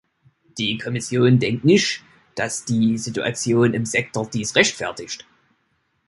Die Kommission denkt nicht, dass die Situation im Sektor dies rechtfertigt.